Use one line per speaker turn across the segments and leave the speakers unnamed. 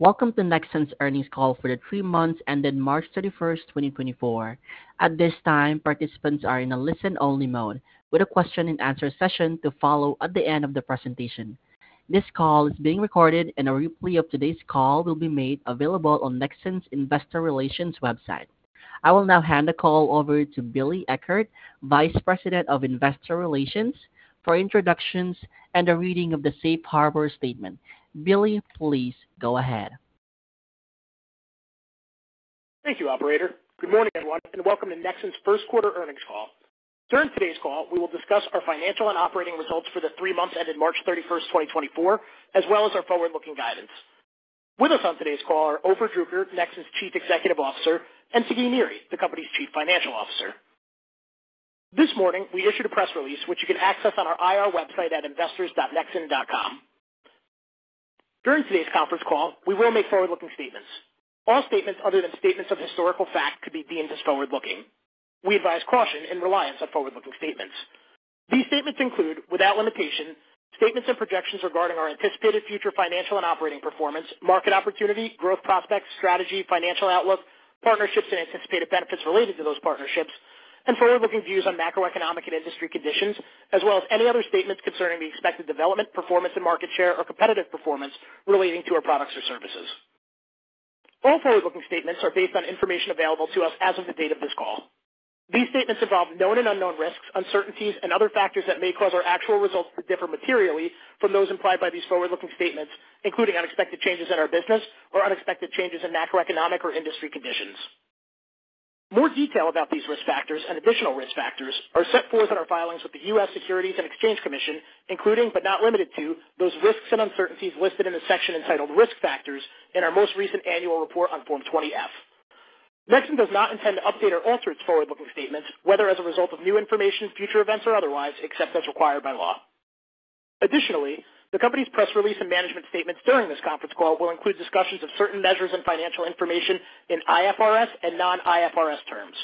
Welcome to Nexxen's earnings call for the three months ended March 31, 2024. At this time, participants are in a listen-only mode, with a question and answer session to follow at the end of the presentation. This call is being recorded, and a replay of today's call will be made available on Nexxen's Investor Relations website. I will now hand the call over to Billy Eckert, Vice President of Investor Relations, for introductions and a reading of the safe harbor statement. Billy, please go ahead.
Thank you, operator. Good morning, everyone, and welcome to Nexxen's first quarter earnings call. During today's call, we will discuss our financial and operating results for the three months ended March 31, 2024, as well as our forward-looking guidance. With us on today's call are Ofer Druker, Nexxen's Chief Executive Officer, and Sagi Niri, the company's Chief Financial Officer. This morning, we issued a press release, which you can access on our IR website at investors.nexxen.com. During today's conference call, we will make forward-looking statements. All statements other than statements of historical fact could be deemed as forward-looking. We advise caution in reliance on forward-looking statements. These statements include, without limitation, statements and projections regarding our anticipated future financial and operating performance, market opportunity, growth prospects, strategy, financial outlook, partnerships and anticipated benefits related to those partnerships, and forward-looking views on macroeconomic and industry conditions, as well as any other statements concerning the expected development, performance and market share or competitive performance relating to our products or services. All forward-looking statements are based on information available to us as of the date of this call. These statements involve known and unknown risks, uncertainties, and other factors that may cause our actual results to differ materially from those implied by these forward-looking statements, including unexpected changes in our business or unexpected changes in macroeconomic or industry conditions. More detail about these risk factors and additional risk factors are set forth in our filings with the U.S. Securities and Exchange Commission, including, but not limited to, those risks and uncertainties listed in a section entitled Risk Factors in our most recent annual report on Form 20-F. Nexxen does not intend to update or alter its forward-looking statements, whether as a result of new information, future events, or otherwise, except as required by law. Additionally, the company's press release and management statements during this conference call will include discussions of certain measures and financial information in IFRS and non-IFRS terms.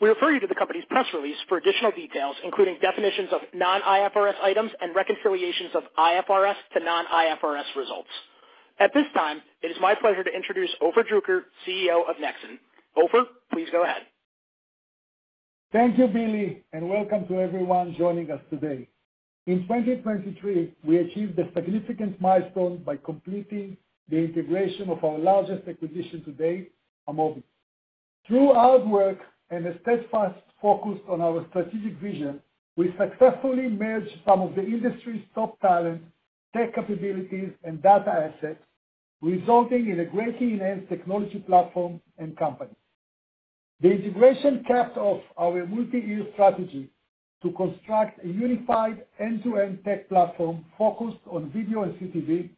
We refer you to the company's press release for additional details, including definitions of non-IFRS items and reconciliations of IFRS to non-IFRS results. At this time, it is my pleasure to introduce Ofer Druker, CEO of Nexxen. Ofer, please go ahead.
Thank you, Billy, and welcome to everyone joining us today. In 2023, we achieved a significant milestone by completing the integration of our largest acquisition to date, Amobee. Through hard work and a steadfast focus on our strategic vision, we successfully merged some of the industry's top talent, tech capabilities, and data assets, resulting in a greatly enhanced technology platform and company. The integration capped off our multi-year strategy to construct a unified end-to-end tech platform focused on video and CTV,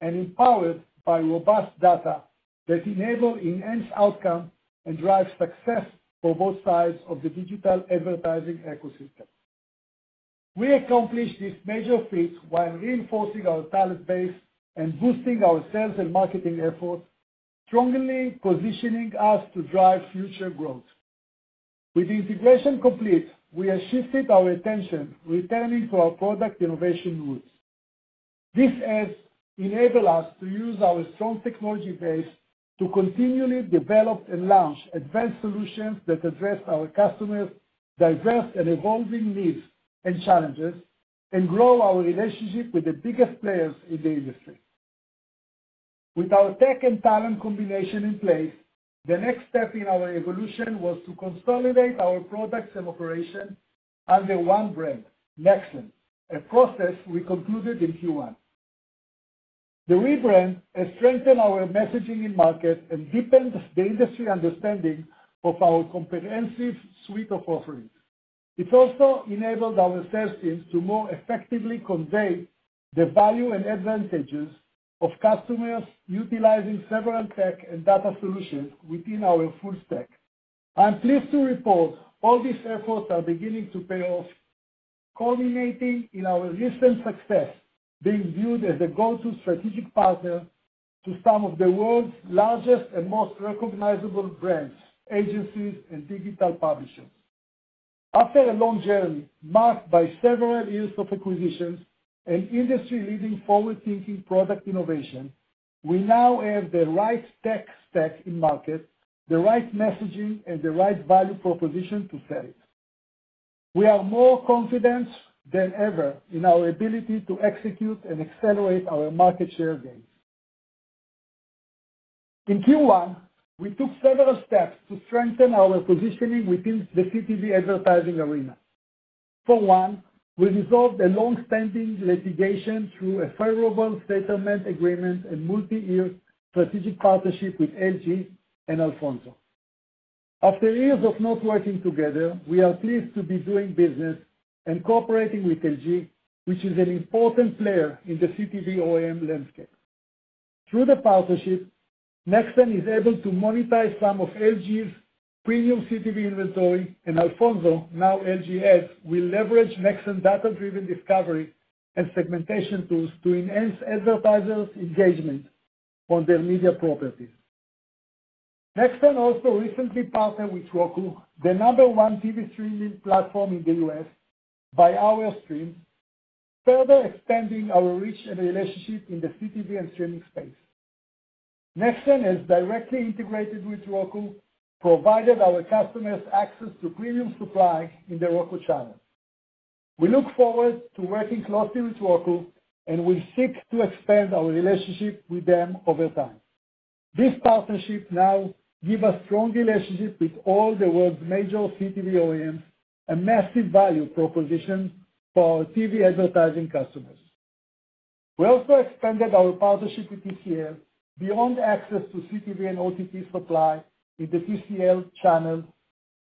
and empowered by robust data that enable enhanced outcomes and drive success for both sides of the digital advertising ecosystem. We accomplished this major feat while reinforcing our talent base and boosting our sales and marketing efforts, strongly positioning us to drive future growth. With the integration complete, we have shifted our attention, returning to our product innovation roots. This has enabled us to use our strong technology base to continually develop and launch advanced solutions that address our customers' diverse and evolving needs and challenges, and grow our relationship with the biggest players in the industry. With our tech and talent combination in place, the next step in our evolution was to consolidate our products and operation under one brand, Nexxen, a process we concluded in Q1. The rebrand has strengthened our messaging in market and deepened the industry understanding of our comprehensive suite of offerings. It's also enabled our sales teams to more effectively convey the value and advantages of customers utilizing several tech and data solutions within our full stack. I'm pleased to report all these efforts are beginning to pay off, culminating in our recent success, being viewed as the go-to strategic partner to some of the world's largest and most recognizable brands, agencies, and digital publishers. After a long journey, marked by several years of acquisitions and industry-leading forward-thinking product innovation, we now have the right tech stack in market, the right messaging, and the right value proposition to sell it. We are more confident than ever in our ability to execute and accelerate our market share gain. In Q1, we took several steps to strengthen our positioning within the CTV advertising arena. For one, we resolved a long-standing litigation through a favorable settlement agreement and multi-year strategic partnership with LG and Alphonso. After years of not working together, we are pleased to be doing business and cooperating with LG, which is an important player in the CTV OEM landscape. Through the partnership, Nexxen is able to monetize some of LG's premium CTV inventory, and Alphonso, now LG Ad, will leverage Nexxen data-driven discovery and segmentation tools to enhance advertisers' engagement on their media properties. Nexxen also recently partnered with Roku, the number one TV streaming platform in the U.S. by hours streamed, further expanding our reach and relationship in the CTV and streaming space. Nexxen is directly integrated with Roku, providing our customers access to premium supply in the Roku channel. We look forward to working closely with Roku, and we seek to expand our relationship with them over time. This partnership now give us strong relationships with all the world's major CTV OEMs, a massive value proposition for our TV advertising customers. We also expanded our partnership with TCL beyond access to CTV and OTT supply in the TCL channel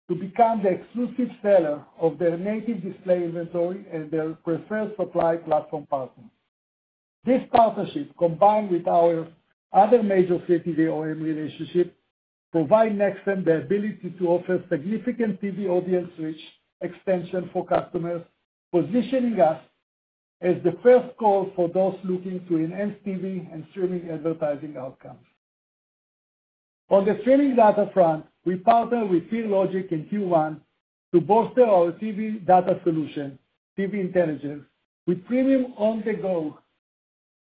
to become the exclusive seller of their native display inventory and their preferred supply platform partner. This partnership, combined with our other major CTV OEM relationship, provide Nexxen the ability to offer significant TV audience reach extension for customers, positioning us as the first call for those looking to enhance TV and streaming advertising outcomes. On the streaming data front, we partnered with PeerLogix in Q1 to bolster our TV data solution, TV Intelligence, with premium OTT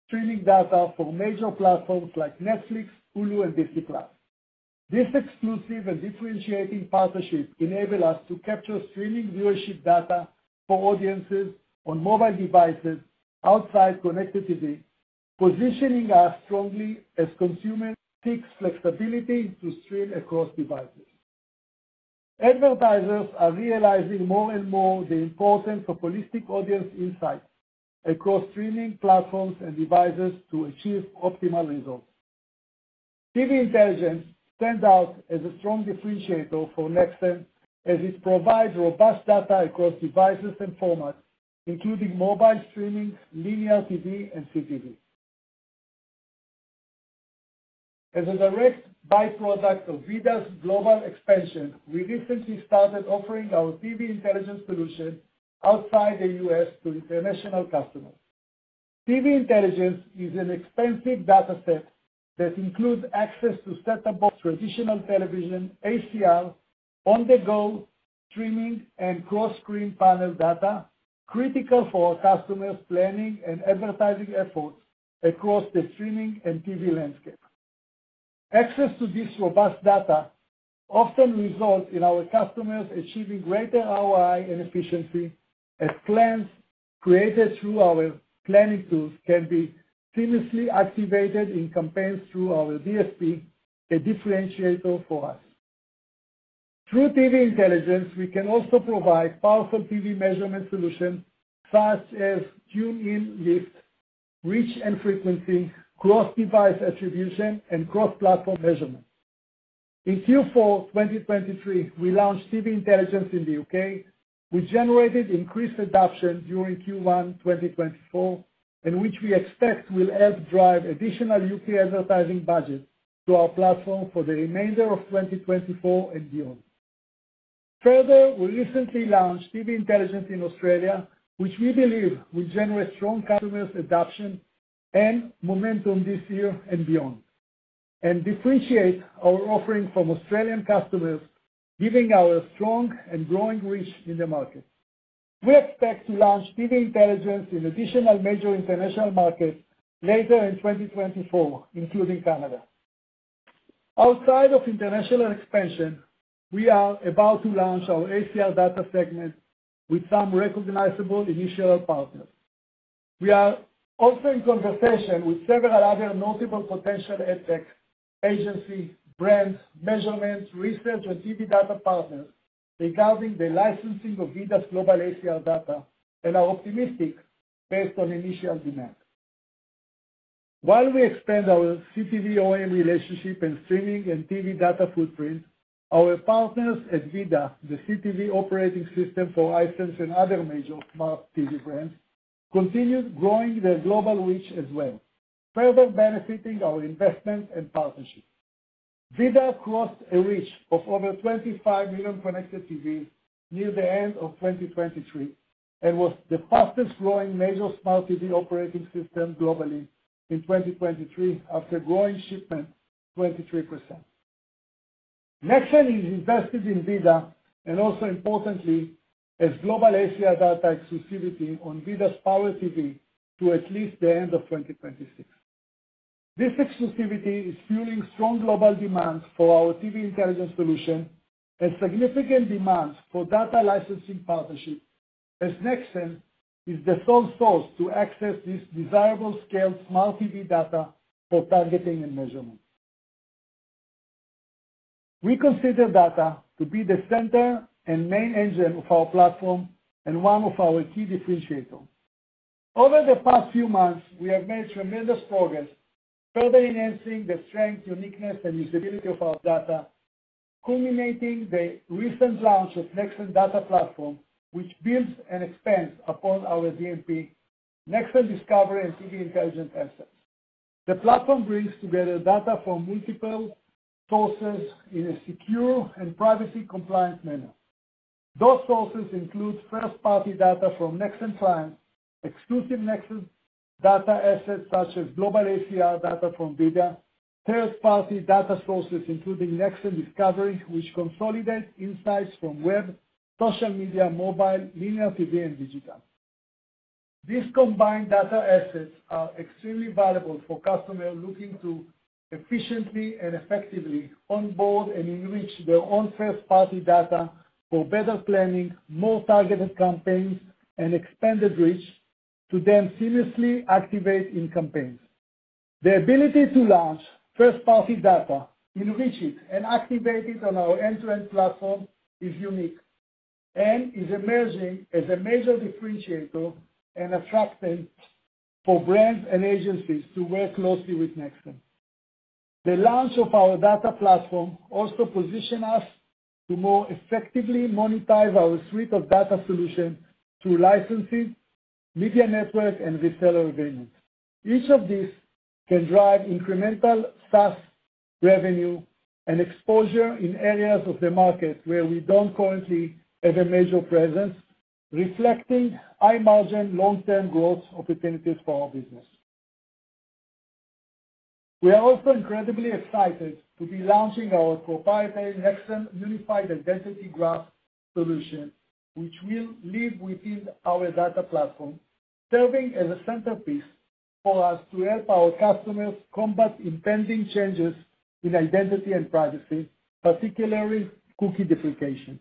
streaming data from major platforms like Netflix, Hulu, and Disney+. This exclusive and differentiating partnership enable us to capture streaming viewership data for audiences on mobile devices outside connected TVs, positioning us strongly as consumers seek flexibility to stream across devices. Advertisers are realizing more and more the importance of holistic audience insights across streaming platforms and devices to achieve optimal results. TV Intelligence stands out as a strong differentiator for Nexxen, as it provides robust data across devices and formats, including mobile streaming, linear TV, and CTV. As a direct by-product of VIDAA's global expansion, we recently started offering our TV Intelligence solution outside the U.S. to international customers. TV Intelligence is an expensive data set that includes access to set-top box, traditional television, ACR, on-the-go streaming, and cross-screen panel data, critical for our customers' planning and advertising efforts across the streaming and TV landscape. Access to this robust data often results in our customers achieving greater ROI and efficiency, as plans created through our planning tools can be seamlessly activated in campaigns through our DSP, a differentiator for us. Through TV Intelligence, we can also provide powerful TV measurement solutions such as tune-in lift, reach and frequency, cross-device attribution, and cross-platform measurement. In Q4 2023, we launched TV Intelligence in the U.K., which generated increased adoption during Q1 2024, and which we expect will help drive additional U.K. advertising budgets to our platform for the remainder of 2024 and beyond. Further, we recently launched TV Intelligence in Australia, which we believe will generate strong customer adoption and momentum this year and beyond, and differentiate our offering from Australian customers, giving our strong and growing reach in the market. We expect to launch TV Intelligence in additional major international markets later in 2024, including Canada. Outside of international expansion, we are about to launch our ACR data segment with some recognizable initial partners. We are also in conversation with several other notable potential ad tech, agency, brands, measurements, research, and TV data partners regarding the licensing of VIDAA's global ACR data and are optimistic based on initial demand. While we expand our CTV OEM relationship in streaming and TV data footprint, our partners at VIDAA, the CTV operating system for Hisense and other major smart TV brands, continued growing their global reach as well, further benefiting our investment and partnership. VIDAA crossed a reach of over 25 million connected TVs near the end of 2023, and was the fastest growing major smart TV operating system globally in 2023, after growing shipment 23%. Nexxen is invested in VIDAA, and also importantly, has global ACR data exclusivity on VIDAA's platform to at least the end of 2026. This exclusivity is fueling strong global demand for our TV Intelligence solution and significant demand for data licensing partnerships, as Nexxen is the sole source to access this desirable scale smart TV data for targeting and measurement. We consider data to be the center and main engine of our platform and one of our key differentiators. Over the past few months, we have made tremendous progress, further enhancing the strength, uniqueness, and usability of our data, culminating in the recent launch of Nexxen Data Platform, which builds and expands upon our DMP, Nexxen Discovery and TV Intelligence assets. The platform brings together data from multiple sources in a secure and privacy-compliant manner. Those sources include first-party data from Nexxen clients, exclusive Nexxen data assets such as global ACR data from VIDAA, third-party data sources, including Nexxen Discovery, which consolidates insights from web, social media, mobile, linear TV, and digital. These combined data assets are extremely valuable for customers looking to efficiently and effectively onboard and enrich their own first-party data for better planning, more targeted campaigns, and expanded reach to then seamlessly activate in campaigns. The ability to launch first-party data, enrich it, and activate it on our end-to-end platform is unique and is emerging as a major differentiator and attractant for brands and agencies to work closely with Nexxen. The launch of our data platform also position us to more effectively monetize our suite of data solutions through licensing, media network, and reseller agreements. Each of these can drive incremental SaaS revenue and exposure in areas of the market where we don't currently have a major presence, reflecting high-margin, long-term growth opportunities for our business. We are also incredibly excited to be launching our proprietary Nexxen Unified Identity Graph solution, which will live within our data platform, serving as a centerpiece for us to help our customers combat impending changes in identity and privacy, particularly cookie deprecation.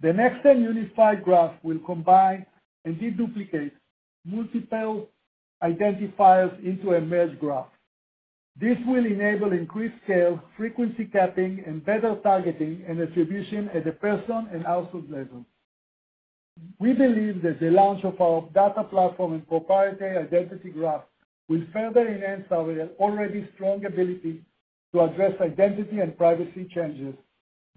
The Nexxen Unified Graph will combine and deduplicate multiple identifiers into a merged graph. This will enable increased scale, frequency capping, and better targeting and attribution at the person and household level. We believe that the launch of our data platform and proprietary identity graph will further enhance our already strong ability to address identity and privacy changes,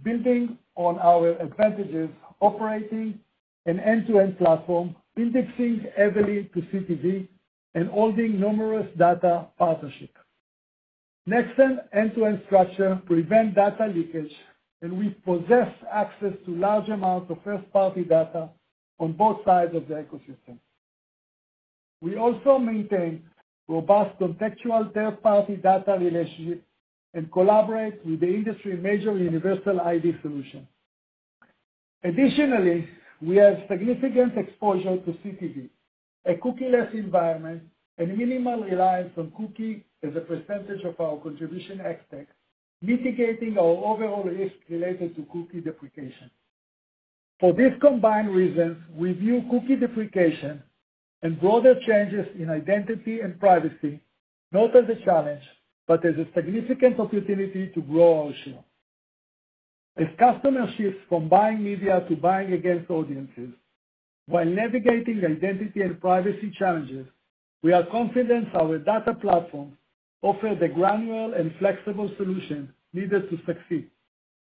building on our advantages, operating an end-to-end platform, indexing heavily to CTV, and holding numerous data partnerships. Nexxen's end-to-end structure prevents data leakage, and we possess access to large amounts of first-party data on both sides of the ecosystem. We also maintain robust contextual third-party data relationships and collaborate with the industry's major universal ID solutions. Additionally, we have significant exposure to CTV, a cookie-less environment, and minimal reliance on cookies as a percentage of our contribution ad tech, mitigating our overall risk related to cookie deprecation. For these combined reasons, we view cookie deprecation and broader changes in identity and privacy not as a challenge, but as a significant opportunity to grow our share. As customers shift from buying media to buying against audiences, while navigating identity and privacy challenges, we are confident our data platform offers the granular and flexible solution needed to succeed.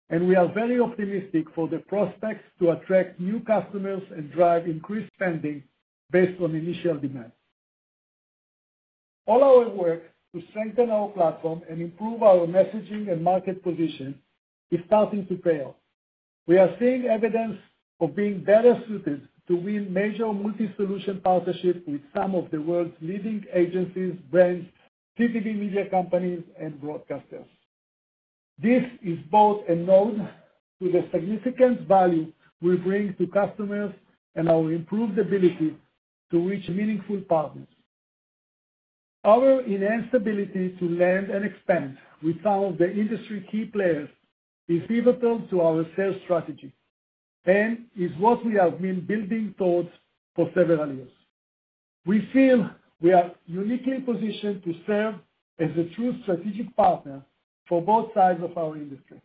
We are very optimistic for the prospects to attract new customers and drive increased spending based on initial demand. All our work to strengthen our platform and improve our messaging and market position is starting to pay off. We are seeing evidence of being better suited to win major multi-solution partnerships with some of the world's leading agencies, brands, CTV media companies, and broadcasters. This is both a nod to the significant value we bring to customers and our improved ability to reach meaningful partners. Our enhanced ability to land and expand with some of the industry key players is pivotal to our sales strategy and is what we have been building towards for several years. We feel we are uniquely positioned to serve as a true strategic partner for both sides of our industry.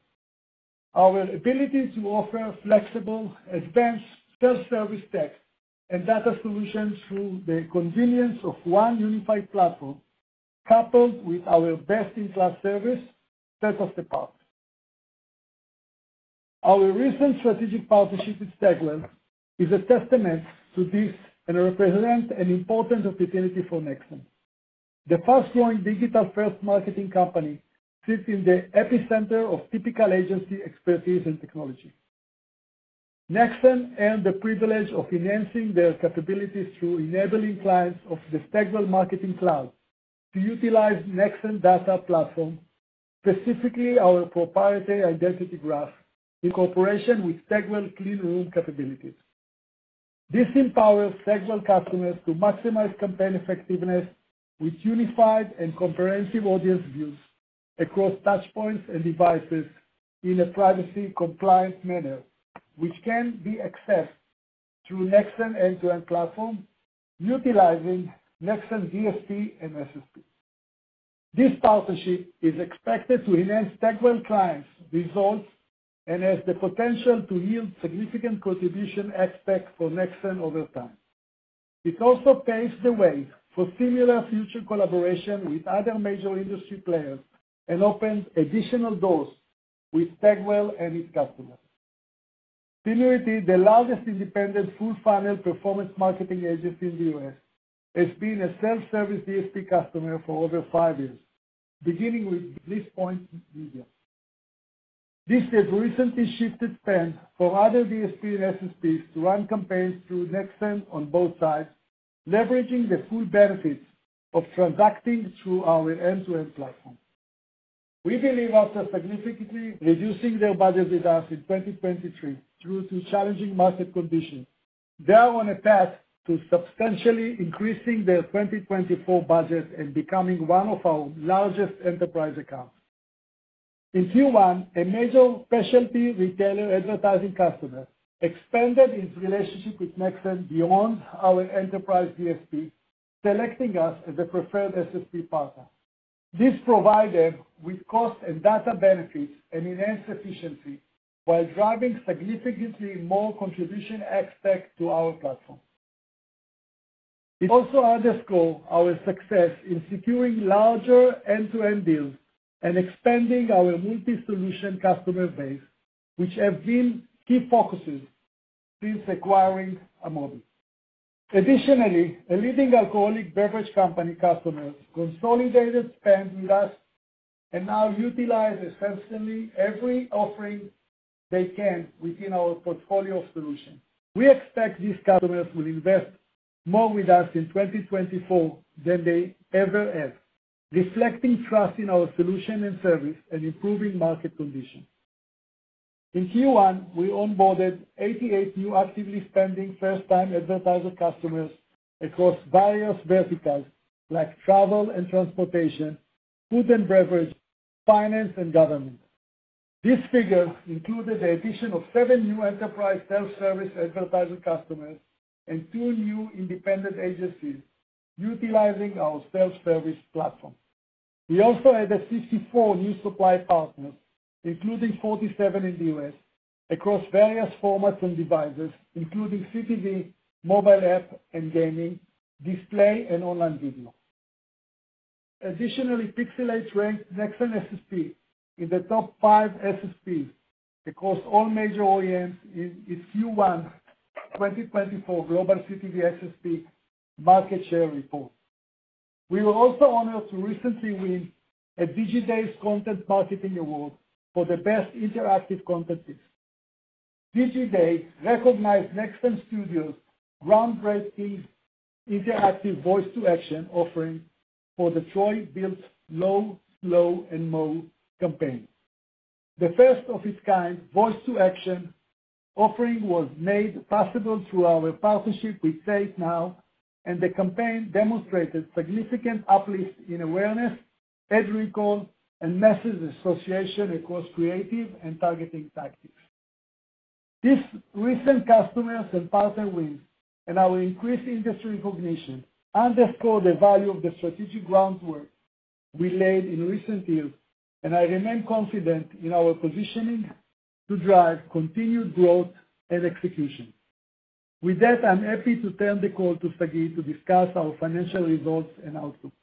Our ability to offer flexible, advanced self-service tech and data solutions through the convenience of one unified platform, coupled with our best-in-class service, sets us apart. Our recent strategic partnership with Stagwell is a testament to this and represents an important opportunity for Nexxen. The fast-growing digital-first marketing company sits in the epicenter of typical agency expertise and technology. Nexxen earned the privilege of enhancing their capabilities through enabling clients of the Stagwell Marketing Cloud to utilize Nexxen data platform, specifically our proprietary identity graph, in cooperation with Stagwell Clean Room capabilities. This empowers Stagwell customers to maximize campaign effectiveness with unified and comprehensive audience views across touchpoints and devices in a privacy-compliant manner, which can be accessed through Nexxen end-to-end platform, utilizing Nexxen DSP and SSP. This partnership is expected to enhance Stagwell clients' results and has the potential to yield significant contribution ex-TAC for Nexxen over time. It also paves the way for similar future collaboration with other major industry players and opens additional doors with Stagwell and its customers. Tinuiti, the largest independent full-funnel performance marketing agency in the U.S., has been a self-service DSP customer for over five years, beginning with Bliss Point Media. This has recently shifted spend for other DSPs and SSPs to run campaigns through Nexxen on both sides, leveraging the full benefits of transacting through our end-to-end platform. We believe, after significantly reducing their budget with us in 2023 due to challenging market conditions, they are on a path to substantially increasing their 2024 budget and becoming one of our largest enterprise accounts. In Q1, a major specialty retailer advertising customer expanded its relationship with Nexxen beyond our enterprise DSP, selecting us as a preferred SSP partner. This provided with cost and data benefits and enhanced efficiency, while driving significantly more Contribution ex-TAC to our platform. It also underscores our success in securing larger end-to-end deals and expanding our multi-solution customer base, which have been key focuses since acquiring Amobee. Additionally, a leading alcoholic beverage company customer consolidated spend with us and now utilizes substantially every offering they can within our portfolio of solutions. We expect these customers will invest more with us in 2024 than they ever have, reflecting trust in our solution and service and improving market conditions. In Q1, we onboarded 88 new actively spending first-time advertiser customers across various verticals like travel and transportation, food and beverage, finance, and government. These figures included the addition of 7 new enterprise self-service advertising customers and 2 new independent agencies utilizing our self-service platform. We also added 64 new supply partners, including 47 in the U.S., across various formats and devices, including CTV, mobile app and gaming, display, and online video. Additionally, Pixalate ranked Nexxen SSP in the top five SSPs across all major OEMs in Q1 2024 global CTV SSP market share report. We were also honored to recently win a Digiday's Content Marketing Award for the Best Interactive Content Piece. Digiday recognized Nexxen Studio's groundbreaking interactive voice-to-action offering for Stryve Biltong's Low, Slow, and Mo campaign. The first of its kind, voice-to-action offering was made possible through our partnership with Say It Now, and the campaign demonstrated significant uplifts in awareness, ad recall, and message association across creative and targeting tactics. These recent customers and partner wins, and our increased industry recognition underscore the value of the strategic groundwork we laid in recent years, and I remain confident in our positioning to drive continued growth and execution. With that, I'm happy to turn the call to Sagi to discuss our financial results and outlook.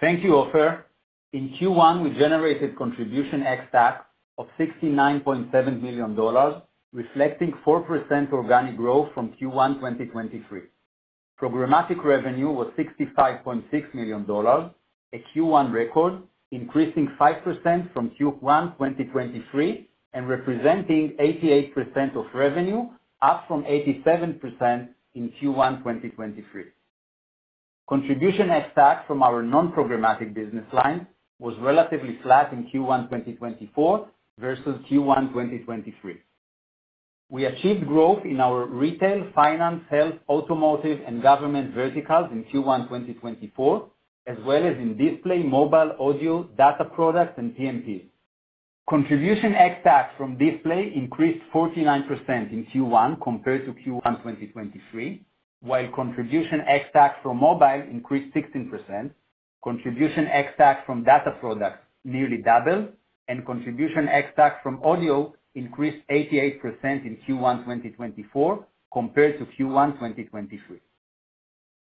Thank you, Ofer. In Q1, we generated Contribution ex-TAC of $69.7 million, reflecting 4% organic growth from Q1 2023. Programmatic revenue was $65.6 million, a Q1 record, increasing 5% from Q1 2023 and representing 88% of revenue, up from 87% in Q1 2023. Contribution ex-TAC from our non-programmatic business line was relatively flat in Q1 2024 versus Q1 2023. We achieved growth in our retail, finance, health, automotive, and government verticals in Q1 2024, as well as in display, mobile, audio, data products, and DMP. Contribution ex-TAC from display increased 49% in Q1 compared to Q1 2023, while Contribution ex-TAC from mobile increased 16%, Contribution ex-TAC from data products nearly doubled, and Contribution ex-TAC from audio increased 88% in Q1 2024 compared to Q1 2023.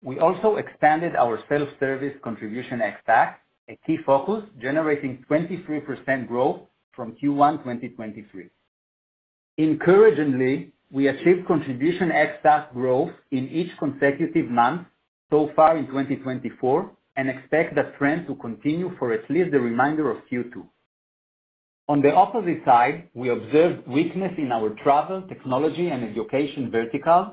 We also expanded our self-service Contribution ex-TAC, a key focus generating 23% growth from Q1 2023. Encouragingly, we achieved Contribution ex-TAC growth in each consecutive month so far in 2024 and expect that trend to continue for at least the remainder of Q2. On the opposite side, we observed weakness in our travel, technology, and education verticals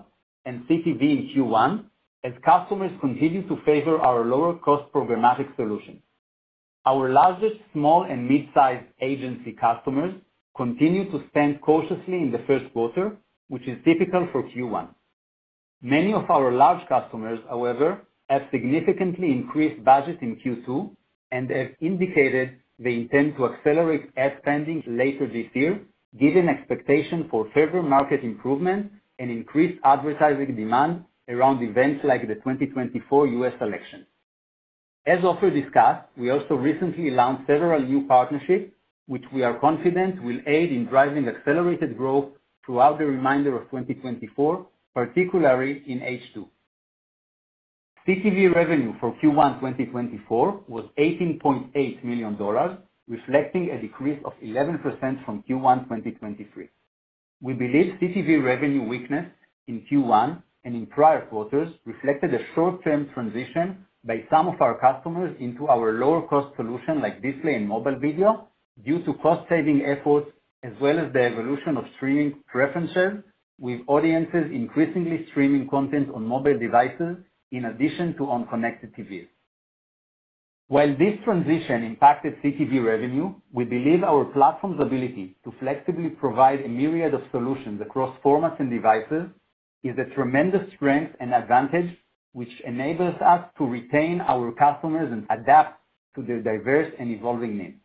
and CTV in Q1, as customers continue to favor our lower-cost programmatic solutions. Our large, small, and mid-sized agency customers continued to spend cautiously in the first quarter, which is typical for Q1. Many of our large customers, however, have significantly increased budget in Q2 and have indicated they intend to accelerate ad spending later this year, given expectation for further market improvement and increased advertising demand around events like the 2024 U.S. election. As Ofer discussed, we also recently launched several new partnerships, which we are confident will aid in driving accelerated growth throughout the remainder of 2024, particularly in H2. CTV revenue for Q1 2024 was $18.8 million, reflecting a decrease of 11% from Q1 2023. We believe CTV revenue weakness in Q1 and in prior quarters reflected a short-term transition by some of our customers into our lower-cost solution, like display and mobile video, due to cost-saving efforts, as well as the evolution of streaming preferences, with audiences increasingly streaming content on mobile devices in addition to on connected TVs. While this transition impacted CTV revenue, we believe our platform's ability to flexibly provide a myriad of solutions across formats and devices is a tremendous strength and advantage, which enables us to retain our customers and adapt to their diverse and evolving needs.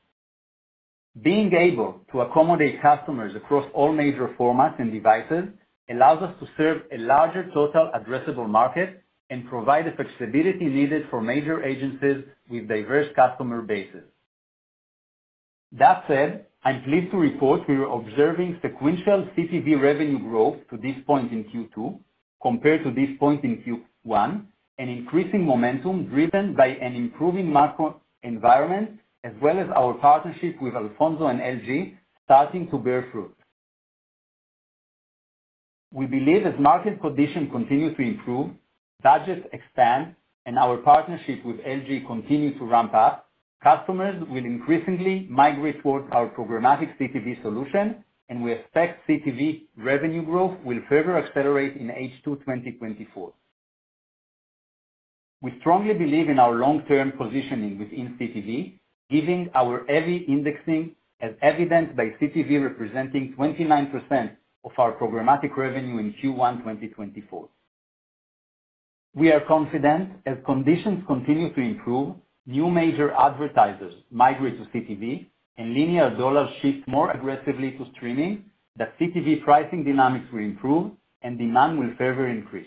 Being able to accommodate customers across all major formats and devices allows us to serve a larger total addressable market and provide the flexibility needed for major agencies with diverse customer bases. That said, I'm pleased to report we are observing sequential CTV revenue growth to this point in Q2 compared to this point in Q1, and increasing momentum driven by an improving macro environment, as well as our partnership with Alphonso and LG starting to bear fruit. We believe as market conditions continue to improve, budgets expand, and our partnership with LG continue to ramp up, customers will increasingly migrate towards our programmatic CTV solution, and we expect CTV revenue growth will further accelerate in H2, 2024. We strongly believe in our long-term positioning within CTV, giving our heavy indexing, as evidenced by CTV representing 29% of our programmatic revenue in Q1, 2024. We are confident as conditions continue to improve, new major advertisers migrate to CTV and linear dollars shift more aggressively to streaming, that CTV pricing dynamics will improve and demand will further increase.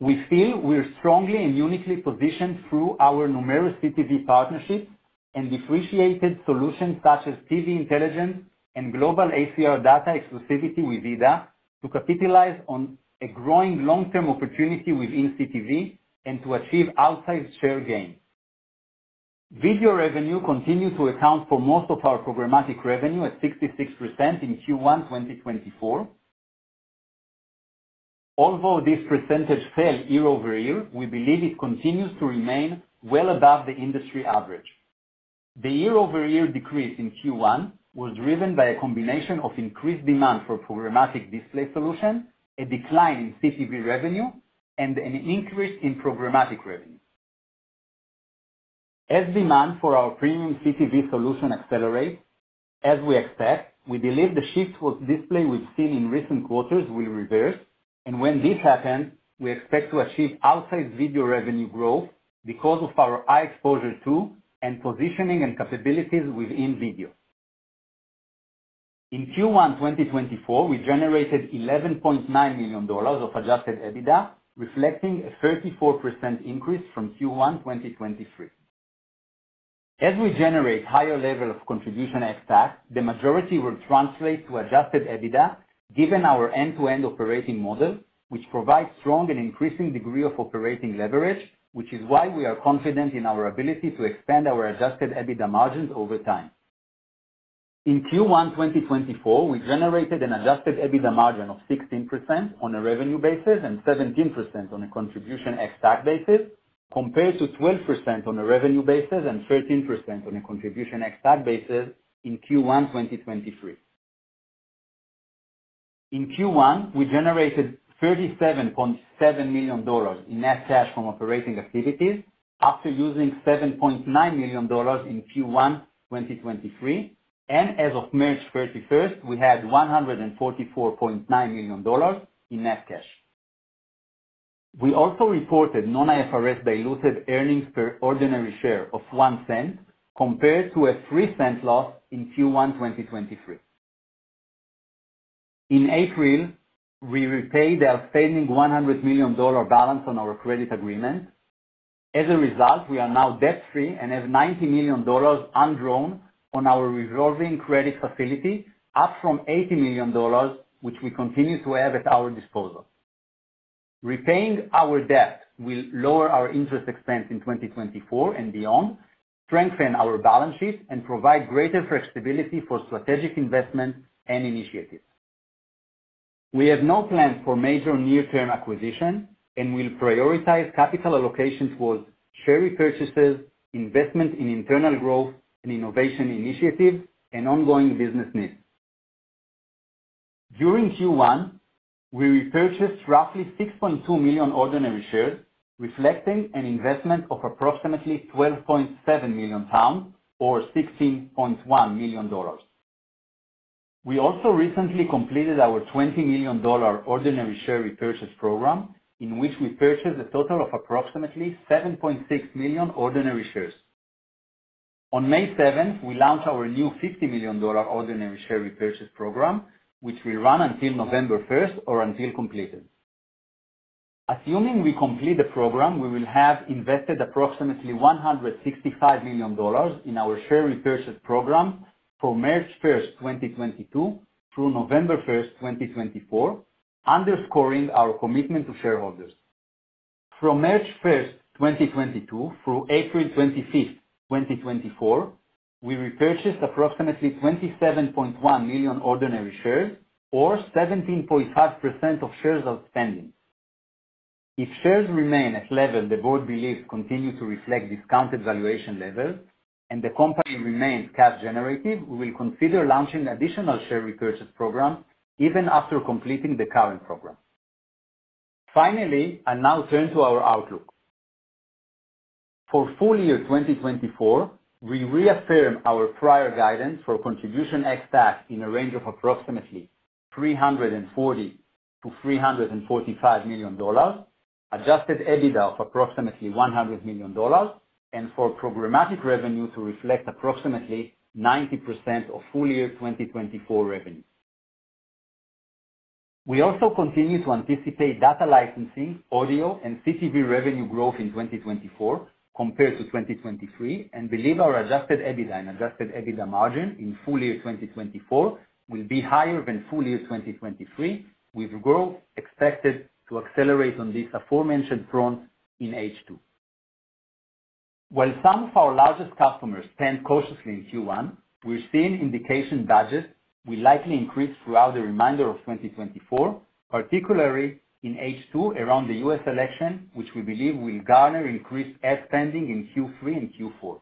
We feel we are strongly and uniquely positioned through our numerous CTV partnerships and differentiated solutions such as TV Intelligence and global ACR data exclusivity with VIDAA, to capitalize on a growing long-term opportunity within CTV and to achieve outsized share gains. Video revenue continued to account for most of our programmatic revenue at 66% in Q1 2024. Although this percentage fell year-over-year, we believe it continues to remain well above the industry average. The year-over-year decrease in Q1 was driven by a combination of increased demand for programmatic display solutions, a decline in CTV revenue, and an increase in programmatic revenue. As demand for our premium CTV solution accelerates, as we expect, we believe the shift towards display we've seen in recent quarters will reverse, and when this happens, we expect to achieve outsized video revenue growth because of our high exposure to and positioning and capabilities within video. In Q1 2024, we generated $11.9 million of adjusted EBITDA, reflecting a 34% increase from Q1 2023. As we generate higher level of contribution ex-TAC, the majority will translate to adjusted EBITDA, given our end-to-end operating model, which provides strong and increasing degree of operating leverage, which is why we are confident in our ability to expand our adjusted EBITDA margins over time. In Q1 2024, we generated an Adjusted EBITDA margin of 16% on a revenue basis and 17% on a contribution ex-TAC basis, compared to 12% on a revenue basis and 13% on a contribution ex-TAC basis in Q1 2023. In Q1, we generated $37.7 million in net cash from operating activities after using $7.9 million in Q1 2023, and as of March 31, we had $144.9 million in net cash. We also reported non-IFRS diluted earnings per ordinary share of $0.01, compared to a $0.03 loss in Q1 2023. In April, we repaid our outstanding $100 million balance on our credit agreement. As a result, we are now debt-free and have $90 million undrawn on our revolving credit facility, up from $80 million, which we continue to have at our disposal. Repaying our debt will lower our interest expense in 2024 and beyond, strengthen our balance sheet, and provide greater flexibility for strategic investments and initiatives. We have no plans for major near-term acquisition and will prioritize capital allocations towards share repurchases, investment in internal growth and innovation initiatives, and ongoing business needs. During Q1, we repurchased roughly 6.2 million ordinary shares, reflecting an investment of approximately 12.7 million pounds, or $16.1 million. We also recently completed our $20 million ordinary share repurchase program, in which we purchased a total of approximately 7.6 million ordinary shares. On May 7, we launched our new $50 million ordinary share repurchase program, which will run until November 1 or until completed. Assuming we complete the program, we will have invested approximately $165 million in our share repurchase program from March 1, 2022, through November 1, 2024, underscoring our commitment to shareholders. From March 1, 2022 through April 25, 2024, we repurchased approximately 27.1 million ordinary shares or 17.5% of shares outstanding. If shares remain at levels the board believes continue to reflect discounted valuation levels and the company remains cash generative, we will consider launching additional share repurchase program even after completing the current program. Finally, I now turn to our outlook. For full year 2024, we reaffirm our prior guidance for contribution ex-TAC in a range of approximately $340 million-$345 million, adjusted EBITDA of approximately $100 million, and for programmatic revenue to reflect approximately 90% of full year 2024 revenue. We also continue to anticipate data licensing, audio, and CTV revenue growth in 2024 compared to 2023, and believe our adjusted EBITDA and adjusted EBITDA margin in full year 2024 will be higher than full year 2023, with growth expected to accelerate on these aforementioned fronts in H2. While some of our largest customers spent cautiously in Q1, we're seeing indication budgets will likely increase throughout the remainder of 2024, particularly in H2, around the U.S. election, which we believe will garner increased ad spending in Q3 and Q4.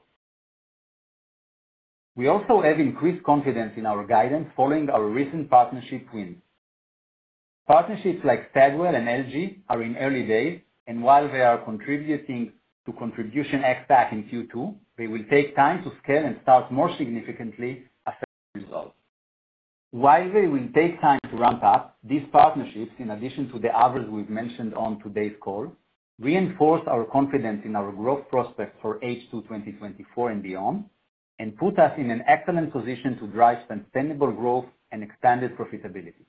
We also have increased confidence in our guidance following our recent partnership wins. Partnerships like Stagwell and LG are in early days, and while they are contributing to contribution ex-TAC in Q2, they will take time to scale and start more significantly affect results. While they will take time to ramp up, these partnerships, in addition to the others we've mentioned on today's call, reinforce our confidence in our growth prospects for H2 2024 and beyond, and put us in an excellent position to drive sustainable growth and expanded profitability.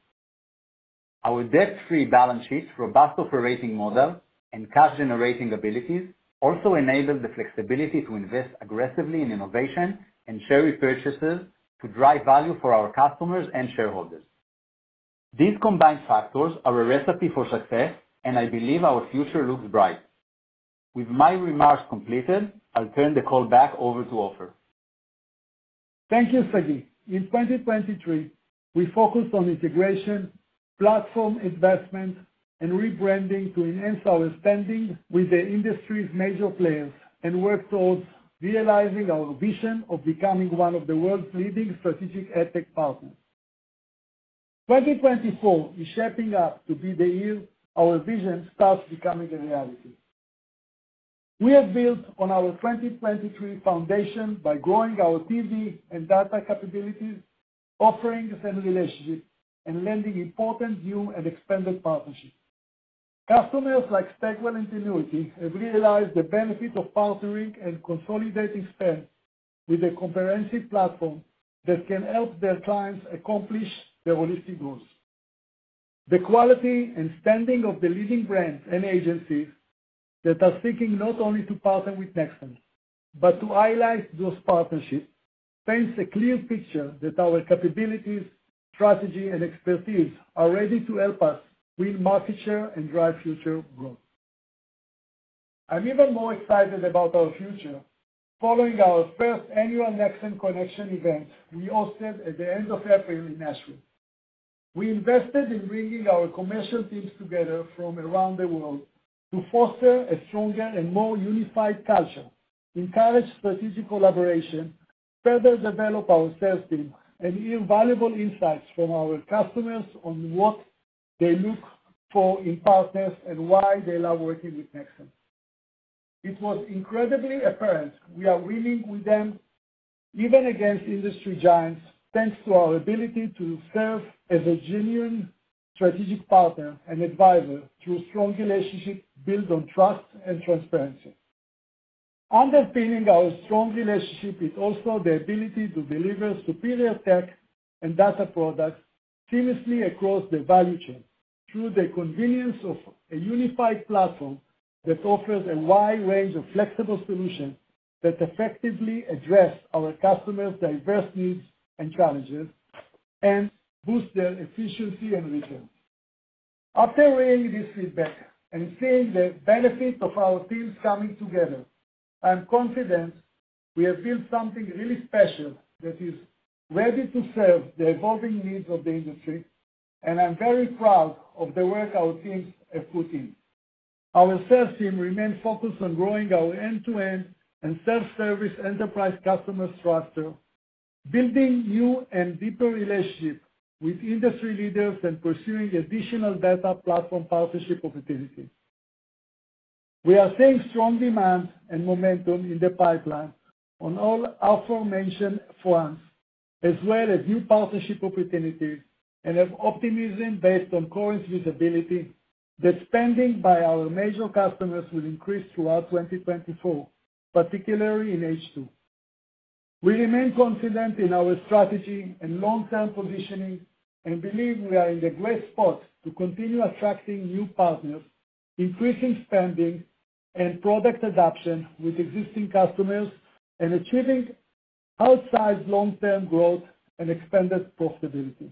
Our debt-free balance sheet, robust operating model, and cash-generating abilities also enable the flexibility to invest aggressively in innovation and share repurchases to drive value for our customers and shareholders. These combined factors are a recipe for success, and I believe our future looks bright. With my remarks completed, I'll turn the call back over to Ofer.
Thank you, Sagi. In 2023, we focused on integration, platform investment, and rebranding to enhance our standing with the industry's major players and work towards realizing our vision of becoming one of the world's leading strategic ad tech partners. 2024 is shaping up to be the year our vision starts becoming a reality. We have built on our 2023 foundation by growing our TV and data capabilities, offerings, and relationships, and landing important new and expanded partnerships. Customers like Stagwell and Tinuiti have realized the benefit of partnering and consolidating spend with a comprehensive platform that can help their clients accomplish their holistic goals. The quality and standing of the leading brands and agencies that are seeking not only to partner with Nexxen, but to highlight those partnerships, paints a clear picture that our capabilities, strategy, and expertise are ready to help us win market share and drive future growth. I'm even more excited about our future following our first annual Nexxen Connection event we hosted at the end of April in Nashville. We invested in bringing our commercial teams together from around the world to foster a stronger and more unified culture, encourage strategic collaboration, further develop our sales team, and hear valuable insights from our customers on what they look for in partners and why they love working with Nexxen. It was incredibly apparent we are winning with them, even against industry giants, thanks to our ability to serve as a genuine strategic partner and advisor through strong relationships built on trust and transparency. Underpinning our strong relationship is also the ability to deliver superior tech and data products seamlessly across the value chain through the convenience of a unified platform that offers a wide range of flexible solutions that effectively address our customers' diverse needs and challenges, and boost their efficiency and returns. After weighing this feedback and seeing the benefit of our teams coming together, I am confident we have built something really special that is ready to serve the evolving needs of the industry, and I'm very proud of the work our teams have put in. Our sales team remains focused on growing our end-to-end and self-service enterprise customer structure, building new and deeper relationships with industry leaders, and pursuing additional data platform partnership opportunities. We are seeing strong demand and momentum in the pipeline on all aforementioned fronts, as well as new partnership opportunities, and have optimism based on current visibility that spending by our major customers will increase throughout 2024, particularly in H2. We remain confident in our strategy and long-term positioning, and believe we are in a great spot to continue attracting new partners, increasing spending and product adoption with existing customers, and achieving outsized long-term growth and expanded profitability....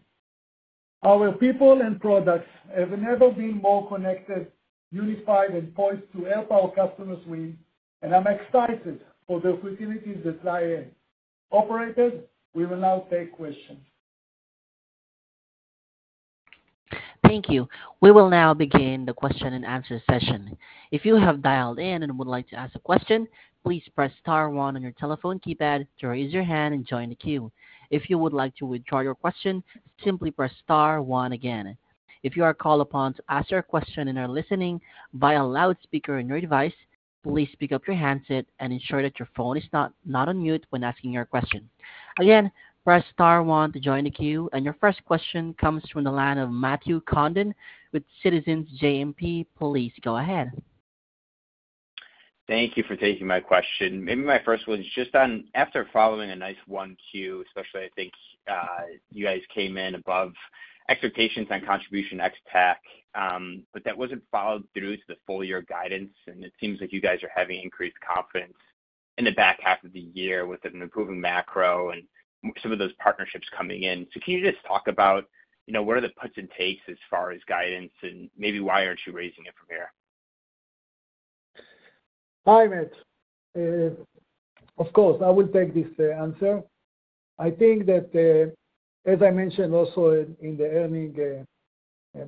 Our people and products have never been more connected, unified, and poised to help our customers win, and I'm excited for the opportunities that lie ahead. Operators, we will now take questions.
Thank you. We will now begin the question and answer session. If you have dialed in and would like to ask a question, please press star one on your telephone keypad to raise your hand and join the queue. If you would like to withdraw your question, simply press star one again. If you are called upon to ask your question and are listening via loudspeaker on your device, please pick up your handset and ensure that your phone is not on mute when asking your question. Again, press star one to join the queue, and your first question comes from the line of Matthew Condon with Citizens JMP. Please go ahead.
Thank you for taking my question. Maybe my first one is just on, after following a nice Q1, especially, I think, you guys came in above expectations and contribution ex-TAC, but that wasn't followed through to the full year guidance, and it seems like you guys are having increased confidence in the back half of the year with an improving macro and some of those partnerships coming in. So can you just talk about, you know, where are the puts and takes as far as guidance, and maybe why aren't you raising it from here?
Hi, Matt. Of course, I will take this answer. I think that, as I mentioned also in, in the earnings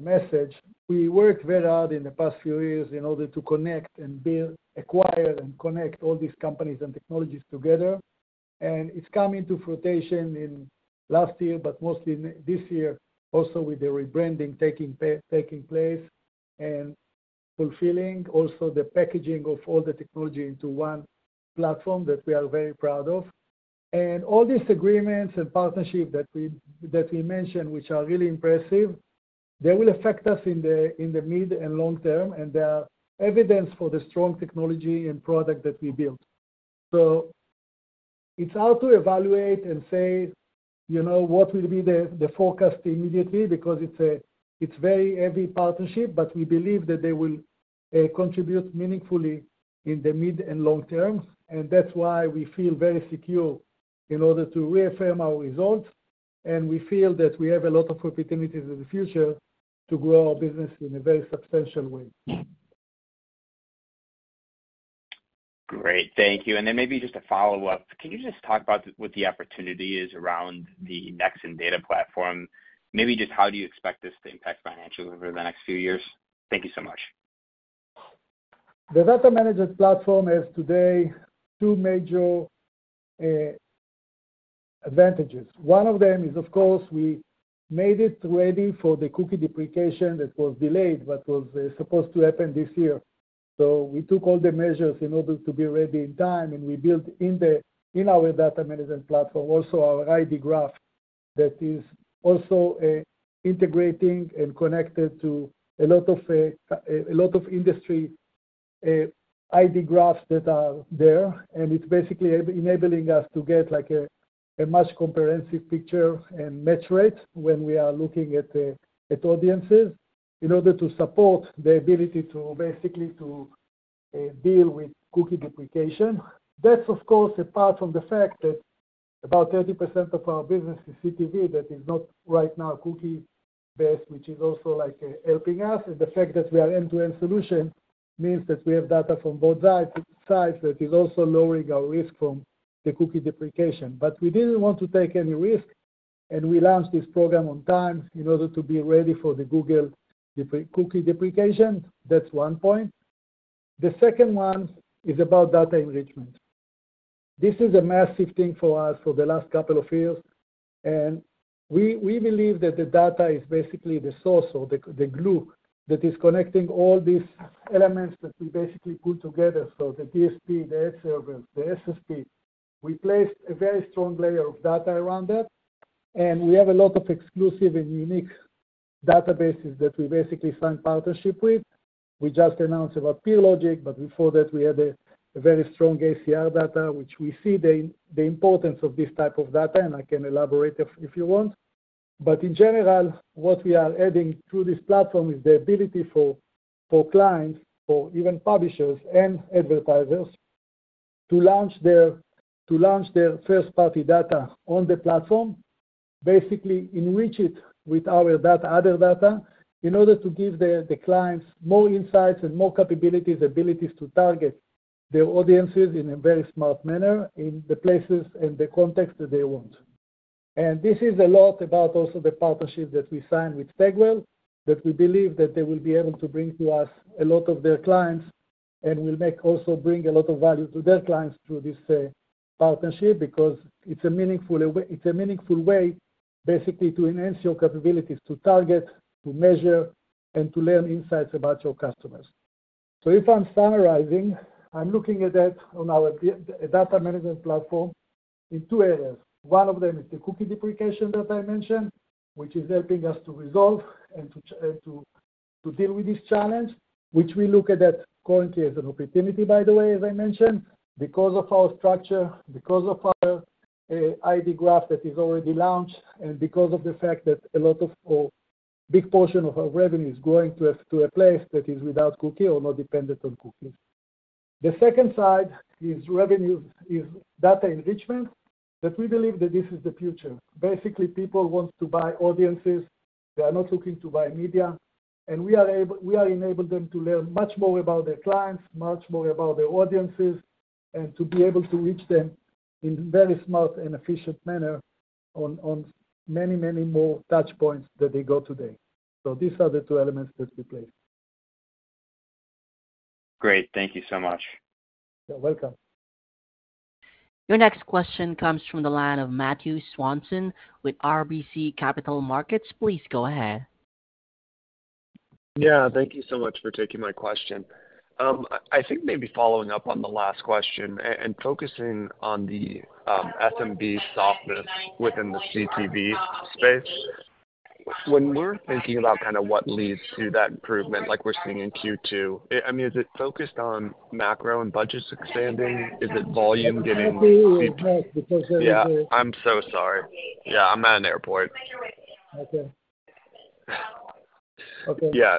message, we worked very hard in the past few years in order to connect and build, acquire and connect all these companies and technologies together. And it's coming to fruition in last year, but mostly this year, also with the rebranding taking place and fulfilling also the packaging of all the technology into one platform that we are very proud of. And all these agreements and partnerships that we, that we mentioned, which are really impressive, they will affect us in the, in the mid and long term, and they are evidence for the strong technology and product that we built. So it's hard to evaluate and say, you know, what will be the forecast immediately, because it's very heavy partnership, but we believe that they will contribute meaningfully in the mid and long term. And that's why we feel very secure in order to reaffirm our results, and we feel that we have a lot of opportunities in the future to grow our business in a very substantial way.
Great. Thank you. And then maybe just a follow-up, can you just talk about what the opportunity is around the Nexxen Data Platform? Maybe just how do you expect this to impact financially over the next few years? Thank you so much.
The data management platform has today two major advantages. One of them is, of course, we made it ready for the cookie deprecation that was delayed, but was supposed to happen this year. So we took all the measures in order to be ready in time, and we built in the, in our data management platform, also our ID graph that is also integrating and connected to a lot of, a lot of industry ID graphs that are there. And it's basically enabling us to get, like, a much comprehensive picture and match rate when we are looking at audiences, in order to support the ability to basically to deal with cookie deprecation. That's, of course, apart from the fact that about 30% of our business is CTV, that is not right now cookie-based, which is also, like, helping us. And the fact that we are end-to-end solution means that we have data from both sides, that is also lowering our risk from the cookie deprecation. But we didn't want to take any risk, and we launched this program on time in order to be ready for the Google cookie deprecation. That's one point. The second one is about data enrichment. This is a massive thing for us for the last couple of years, and we believe that the data is basically the source or the glue that is connecting all these elements that we basically put together. So the DSP, the ad server, the SSP, we placed a very strong layer of data around that, and we have a lot of exclusive and unique databases that we basically sign partnership with. We just announced about PeerLogix, but before that, we had a very strong ACR data, which we see the importance of this type of data, and I can elaborate if you want. But in general, what we are adding to this platform is the ability for clients, for even publishers and advertisers, to launch their first-party data on the platform, basically enrich it with our data, other data, in order to give the clients more insights and more capabilities, abilities to target their audiences in a very smart manner, in the places and the context that they want. This is a lot about also the partnership that we signed with Stagwell, that we believe that they will be able to bring to us a lot of their clients, and will make, also bring a lot of value to their clients through this partnership, because it's a meaningful way, it's a meaningful way, basically, to enhance your capabilities to target, to measure, and to learn insights about your customers. So if I'm summarizing, I'm looking at that on our data management platform in two areas. One of them is the cookie deprecation that I mentioned, which is helping us to resolve and to deal with this challenge, which we look at that currently as an opportunity, by the way, as I mentioned, because of our structure, because of our ID graph that is already launched, and because of the fact that a lot of or big portion of our revenue is going to a place that is without cookie or not dependent on cookie. The second side is revenues, is data enrichment, that we believe that this is the future. Basically, people want to buy audiences. They are not looking to buy media, and we are able to enable them to learn much more about their clients, much more about their audiences, and to be able to reach them in very smart and efficient manner on many, many more touch points than they do today. So these are the two elements that we play.
Great, thank you so much.
You're welcome.
Your next question comes from the line of Matthew Swanson with RBC Capital Markets. Please go ahead.
Yeah, thank you so much for taking my question. I think maybe following up on the last question and focusing on the SMB softness within the CTV space. When we're thinking about kind of what leads to that improvement, like we're seeing in Q2, I mean, is it focused on macro and budgets expanding? Is it volume getting-
I can't hear you, Matt, because there is a-
Yeah, I'm so sorry. Yeah, I'm at an airport.
Okay. Okay.
Yeah,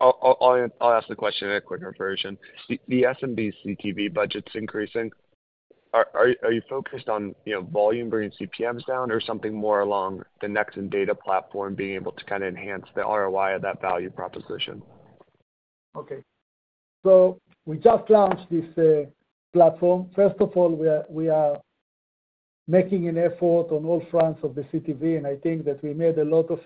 I'll ask the question in a quicker version. The SMB CTV budget's increasing, are you focused on, you know, volume bringing CPMs down or something more along the Nexxen Data Platform being able to kind of enhance the ROI of that value proposition?
Okay. So we just launched this platform. First of all, we are making an effort on all fronts of the CTV, and I think that we made a lot of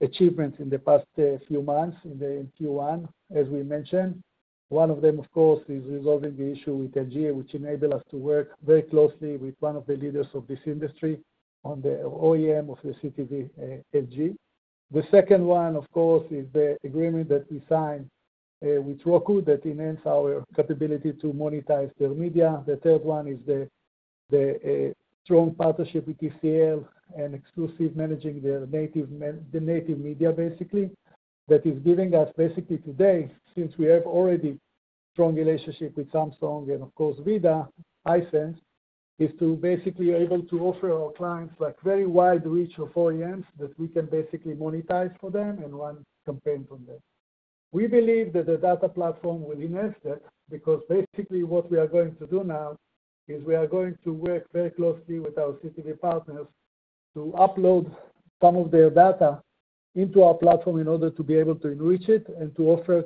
achievements in the past few months, in the Q1, as we mentioned. One of them, of course, is resolving the issue with LG, which enabled us to work very closely with one of the leaders of this industry on the OEM of the CTV, LG. The second one, of course, is the agreement that we signed with Roku that enhance our capability to monetize their media. The third one is the strong partnership with TCL and exclusive managing their native media, basically. That is giving us basically today, since we have already strong relationship with Samsung and of course, Vizio, Hisense, is to basically able to offer our clients, like, very wide reach of OEMs that we can basically monetize for them and run campaign from them. We believe that the data platform will enhance that, because basically what we are going to do now is we are going to work very closely with our CTV partners to upload some of their data into our platform in order to be able to enrich it and to offer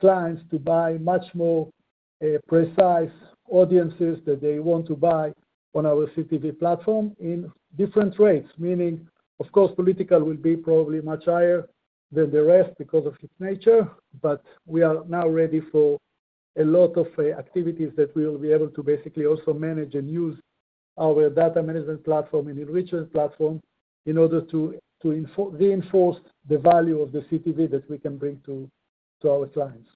clients to buy much more, precise audiences that they want to buy on our CTV platform in different rates. Meaning, of course, political will be probably much higher than the rest because of its nature, but we are now ready for a lot of activities that we will be able to basically also manage and use our data management platform and enrichment platform in order to reinforce the value of the CTV that we can bring to our clients.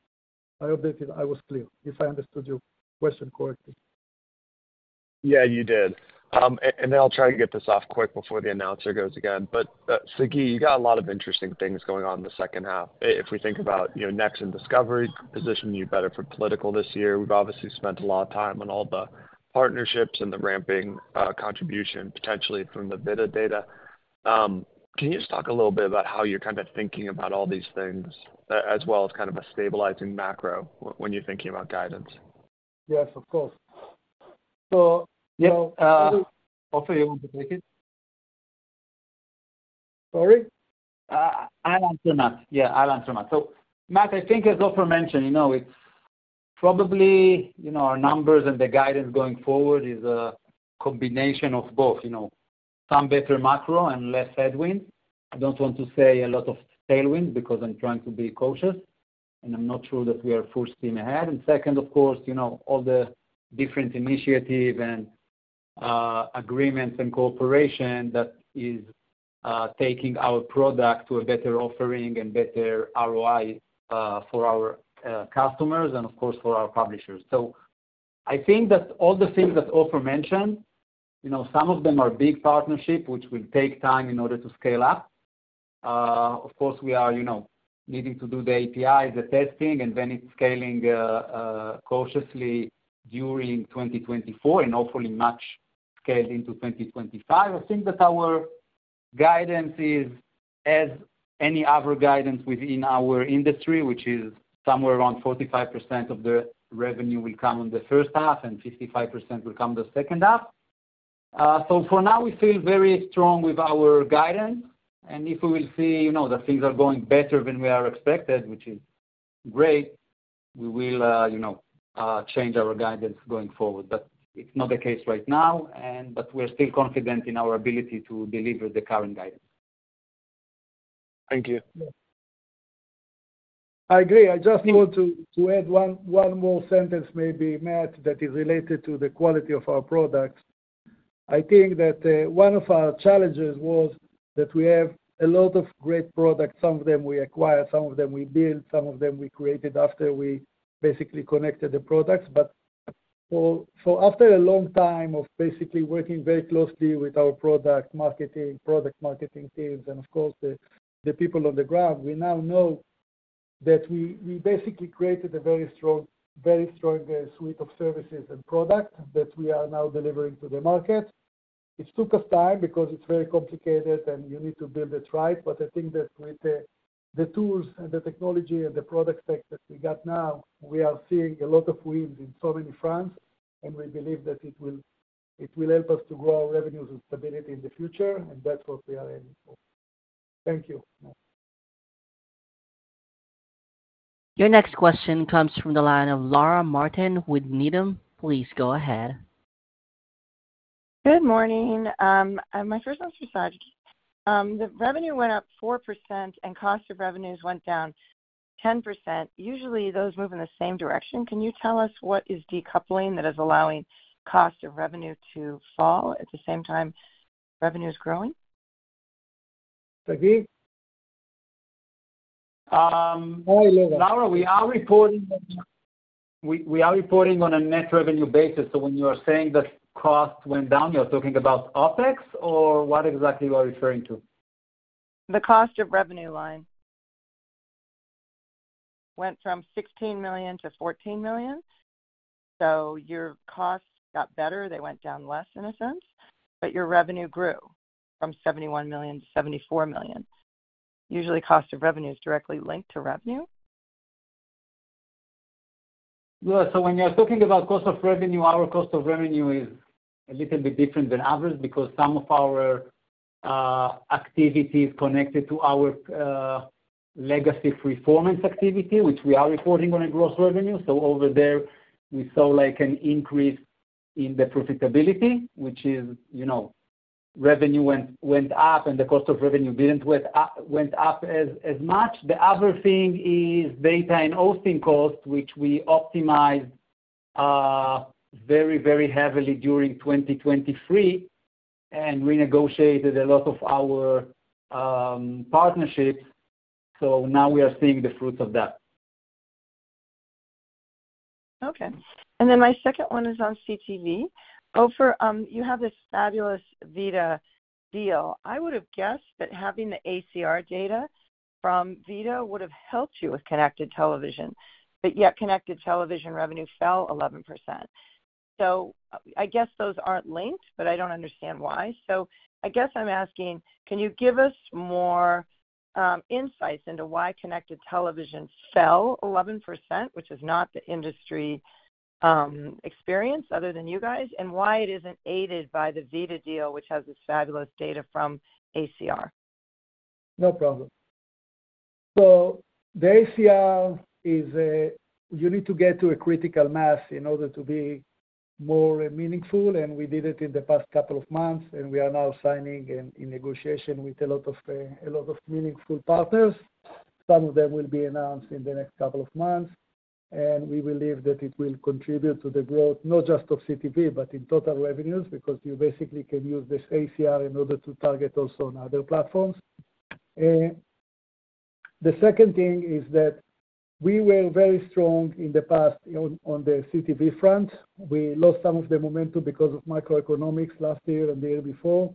I hope that I was clear, if I understood your question correctly.
Yeah, you did. And then I'll try to get this off quick before the announcer goes again. But, Sagi, you got a lot of interesting things going on in the second half. If we think about, you know, Nexxen Discovery positioning you better for political this year, we've obviously spent a lot of time on all the partnerships and the ramping, contribution, potentially from the VIDAA data. Can you just talk a little bit about how you're kind of thinking about all these things, as well as kind of a stabilizing macro when you're thinking about guidance?
Yes, of course. So, yeah,
Ofer, you want to take it?
Sorry?
I'll answer, Matt. Yeah, I'll answer, Matt. So Matt, I think as Ofer mentioned, you know, it's probably, you know, our numbers and the guidance going forward is a combination of both, you know, some better macro and less headwind. I don't want to say a lot of tailwind because I'm trying to be cautious, and I'm not sure that we are full steam ahead. And second, of course, you know, all the different initiative and agreements and cooperation that is taking our product to a better offering and better ROI for our customers and of course, for our publishers. So I think that all the things that Ofer mentioned, you know, some of them are big partnership, which will take time in order to scale up. Of course, we are, you know, needing to do the API, the testing, and then it's scaling cautiously during 2024 and hopefully much scaled into 2025. I think that our guidance is, as any other guidance within our industry, which is somewhere around 45% of the revenue will come in the first half and 55% will come the second half. So for now, we feel very strong with our guidance, and if we will see, you know, that things are going better than we are expected, which is great, we will, you know, change our guidance going forward. But it's not the case right now, but we're still confident in our ability to deliver the current guidance.
Thank you.
I agree. I just want to add one more sentence, maybe, Matt, that is related to the quality of our products. I think that one of our challenges was that we have a lot of great products. Some of them we acquired, some of them we built, some of them we created after we basically connected the products. But after a long time of basically working very closely with our product, marketing, product marketing teams, and of course, the people on the ground, we now know that we basically created a very strong suite of services and products that we are now delivering to the market. It took us time because it's very complicated, and you need to build it right. But I think that with the tools and the technology and the product stack that we got now, we are seeing a lot of wins on so many fronts, and we believe that it will help us to grow our revenues with stability in the future, and that's what we are aiming for. Thank you.
Your next question comes from the line of Laura Martin with Needham. Please go ahead.
Good morning. My first one is for Sagi. The revenue went up 4% and cost of revenues went down 10%. Usually, those move in the same direction. Can you tell us what is decoupling that is allowing cost of revenue to fall at the same time revenue is growing?
Sagi?
Laura, we are reporting on a net revenue basis. So when you are saying that cost went down, you're talking about OpEx, or what exactly you are referring to?
The cost of revenue line went from $16 million to $14 million. So your costs got better, they went down less in a sense, but your revenue grew from $71 million to $74 million. Usually, cost of revenue is directly linked to revenue.
Well, so when you're talking about cost of revenue, our cost of revenue is a little bit different than others because some of our activity is connected to our legacy performance activity, which we are reporting on a gross revenue. So over there, we saw, like, an increase in the profitability, which is, you know, revenue went, went up and the cost of revenue didn't went up, went up as, as much. The other thing is data and hosting costs, which we optimized very, very heavily during 2023, and renegotiated a lot of our partnerships. So now we are seeing the fruits of that.
Okay. And then my second one is on CTV. Ofer, you have this fabulous VIDAA deal. I would have guessed that having the ACR data from VIDAA would have helped you with connected television, but yet connected television revenue fell 11%. So I guess those aren't linked, but I don't understand why. So I guess I'm asking: Can you give us more insights into why connected television fell 11%, which is not the industry experience other than you guys, and why it isn't aided by the VIDAA deal, which has this fabulous data from ACR?
No problem. So the ACR is, you need to get to a critical mass in order to be more meaningful, and we did it in the past couple of months, and we are now signing and in negotiation with a lot of, a lot of meaningful partners. Some of them will be announced in the next couple of months, and we believe that it will contribute to the growth, not just of CTV, but in total revenues, because you basically can use this ACR in order to target also on other platforms. The second thing is that we were very strong in the past on the CTV front. We lost some of the momentum because of macroeconomics last year and the year before,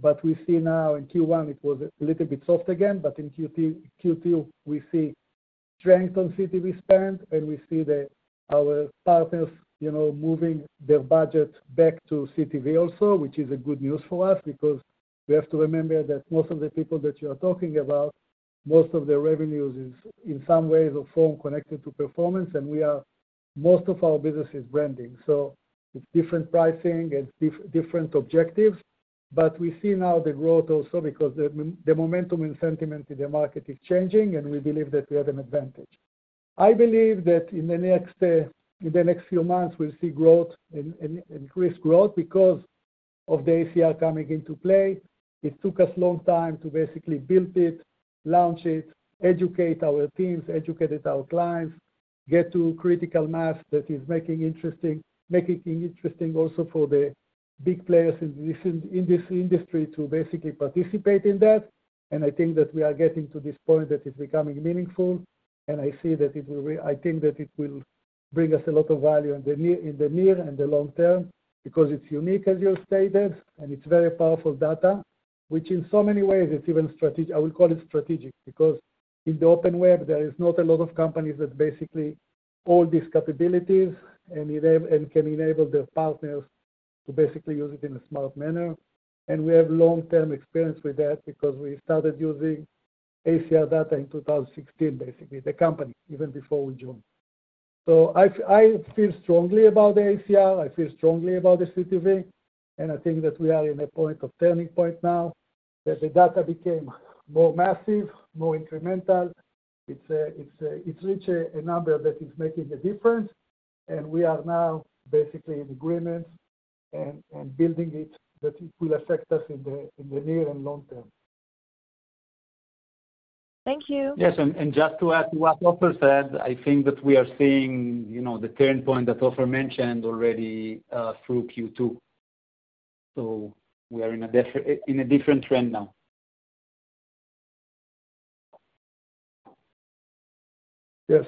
but we see now in Q1, it was a little bit soft again, but in Q2, Q2, we see strength on CTV spend, and we see the, our partners, you know, moving their budget back to CTV also, which is a good news for us. Because we have to remember that most of the people that you are talking about, most of their revenues is in some way or form connected to performance, and we are most of our business is branding, so it's different pricing and different objectives. But we see now the growth also because the momentum and sentiment in the market is changing, and we believe that we have an advantage. I believe that in the next few months, we'll see growth and increased growth because of the ACR coming into play. It took us a long time to basically build it, launch it, educate our teams, educated our clients, get to critical mass that is making it interesting also for the big players in this industry to basically participate in that. I think that we are getting to this point that is becoming meaningful, and I see that it will bring us a lot of value in the near and the long term, because it's unique, as you stated, and it's very powerful data, which in so many ways it's even strategic. I would call it strategic, because in the open web, there is not a lot of companies that basically all these capabilities and enable, and can enable their partners to basically use it in a smart manner. And we have long-term experience with that because we started using ACR data in 2016, basically, the company, even before we joined. So I feel strongly about the ACR, I feel strongly about the CTV, and I think that we are in a point of turning point now, that the data became more massive, more incremental. It's reached a number that is making a difference, and we are now basically in agreement and building it, that it will affect us in the near and long term.
Thank you.
Yes, and just to add to what Ofer said, I think that we are seeing, you know, the turning point that Ofer mentioned already, through Q2. So we are in a different trend now.
Yes.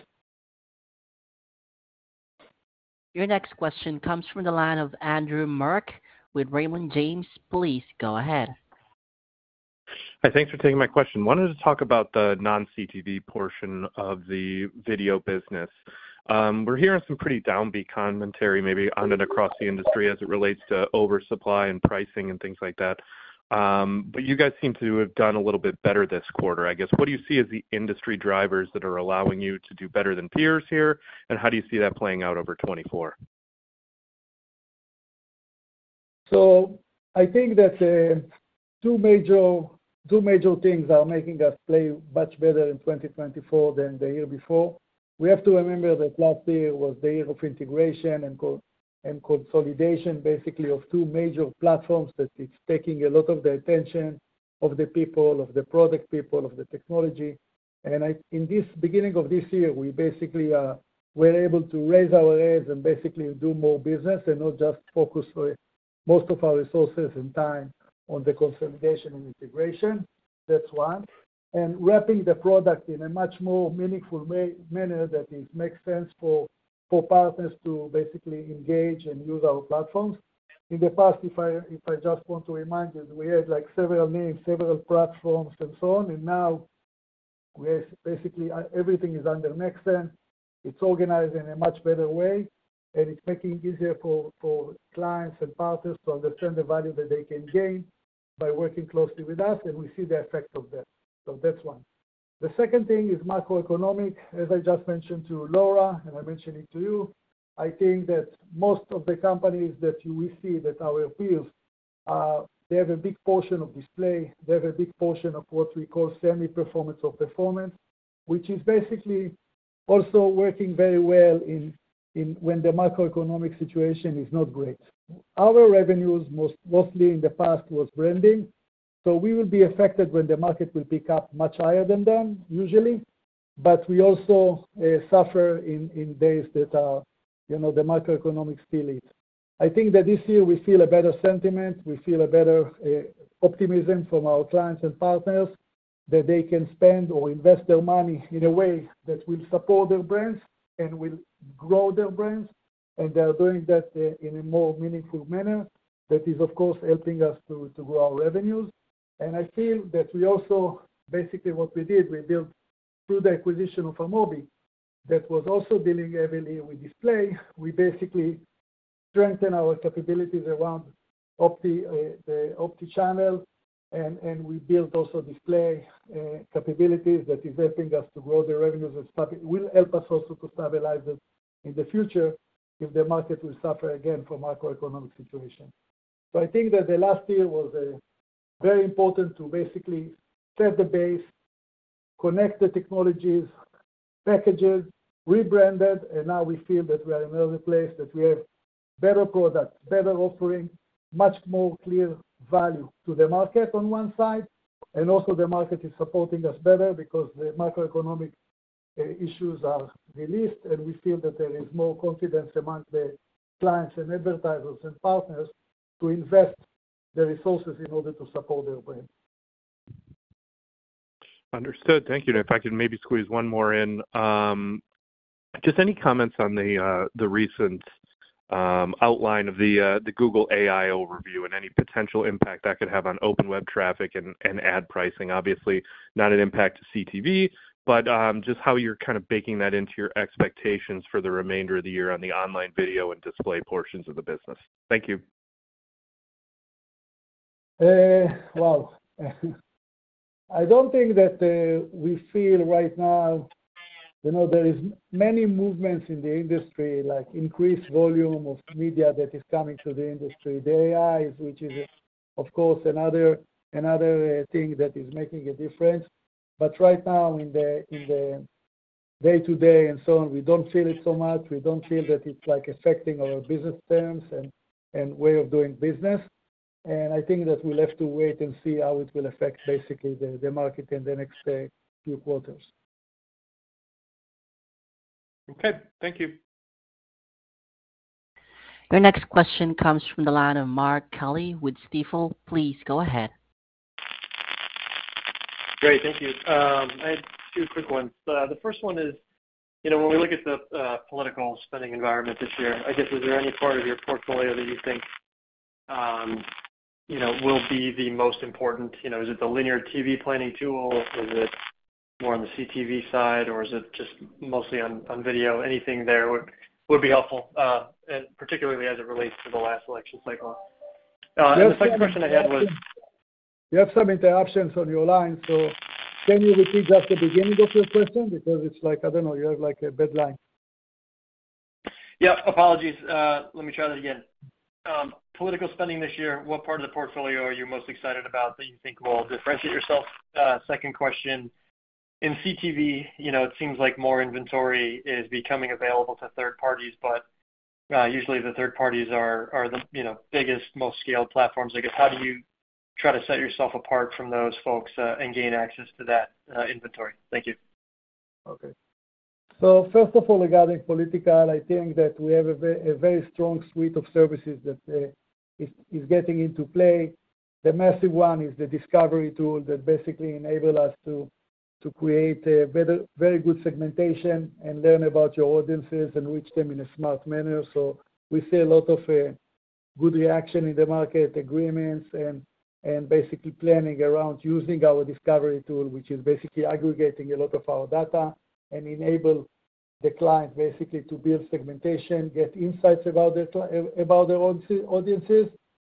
Your next question comes from the line of Andrew Marok with Raymond James. Please go ahead....
Hi, thanks for taking my question. Wanted to talk about the non-CTV portion of the video business. We're hearing some pretty downbeat commentary, maybe on and across the industry as it relates to oversupply and pricing and things like that. But you guys seem to have done a little bit better this quarter, I guess. What do you see as the industry drivers that are allowing you to do better than peers here? And how do you see that playing out over 2024?
So I think that two major, two major things are making us play much better in 2024 than the year before. We have to remember that last year was the year of integration and consolidation, basically, of two major platforms, that it's taking a lot of the attention of the people, of the product people, of the technology. And in this beginning of this year, we basically we're able to raise our rates and basically do more business and not just focus most of our resources and time on the consolidation and integration. That's one. And wrapping the product in a much more meaningful way, manner that it makes sense for partners to basically engage and use our platforms. In the past, if I, if I just want to remind you, we had, like, several names, several platforms, and so on, and now we are basically, everything is under Nexxen. It's organized in a much better way, and it's making easier for, for clients and partners to understand the value that they can gain by working closely with us, and we see the effect of that. So that's one. The second thing is macroeconomic. As I just mentioned to Laura, and I mentioned it to you, I think that most of the companies that you will see that our peers, they have a big portion of display, they have a big portion of what we call semi-performance or performance, which is basically also working very well in, in when the macroeconomic situation is not great. Our revenues, mostly in the past, was branding, so we will be affected when the market will pick up much higher than them, usually. But we also suffer in days that are, you know, the macroeconomic still is. I think that this year we feel a better sentiment, we feel a better optimism from our clients and partners, that they can spend or invest their money in a way that will support their brands and will grow their brands. And they are doing that in a more meaningful manner. That is, of course, helping us to grow our revenues. And I feel that we also, basically what we did, we built through the acquisition of Amobee, that was also dealing heavily with display. We basically strengthen our capabilities around OTT, the OTT channel, and, and we built also display, capabilities that is helping us to grow the revenues and will help us also to stabilize it in the future if the market will suffer again from macroeconomic situation. So I think that the last year was, very important to basically set the base, connect the technologies, packages, rebranded, and now we feel that we are in another place, that we have better products, better offering, much more clear value to the market on one side, and also the market is supporting us better because the macroeconomic, issues are released, and we feel that there is more confidence amongst the clients and advertisers and partners to invest the resources in order to support their brand.
Understood. Thank you. If I could maybe squeeze one more in. Just any comments on the recent outline of the Google AI Overview and any potential impact that could have on open web traffic and ad pricing? Obviously, not an impact to CTV, but just how you're kind of baking that into your expectations for the remainder of the year on the online video and display portions of the business. Thank you.
Well, I don't think that we feel right now... You know, there is many movements in the industry, like increased volume of media that is coming to the industry. The AI, which is of course, another, another thing that is making a difference. But right now, in the day-to-day and so on, we don't feel it so much. We don't feel that it's, like, affecting our business terms and way of doing business. And I think that we'll have to wait and see how it will affect basically the market in the next few quarters.
Okay, thank you.
Your next question comes from the line of Mark Kelley with Stifel. Please go ahead.
Great, thank you. I had two quick ones. The first one is, you know, when we look at the political spending environment this year, I guess, is there any part of your portfolio that you think, you know, will be the most important? You know, is it the linear TV planning tool? Is it more on the CTV side, or is it just mostly on video? Anything there would be helpful, and particularly as it relates to the last election cycle. And the second question I had was-
You have some interruptions on your line, so can you repeat just the beginning of your question? Because it's like, I don't know, you have, like, a bad line.
Yeah, apologies. Let me try that again. Political spending this year, what part of the portfolio are you most excited about that you think will differentiate yourself? Second question: in CTV, you know, it seems like more inventory is becoming available to third parties, but usually the third parties are the, you know, biggest, most scaled platforms, I guess. How do you try to set yourself apart from those folks and gain access to that inventory? Thank you.
Okay. So first of all, regarding political, I think that we have a very, a very strong suite of services that is getting into play. The massive one is the discovery tool that basically enable us to create a better, very good segmentation and learn about your audiences and reach them in a smart manner. So we see a lot of good reaction in the market agreements and basically planning around using our discovery tool, which is basically aggregating a lot of our data, and enable the client basically to build segmentation, get insights about their own audiences,